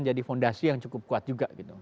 jadi fondasi yang cukup kuat juga gitu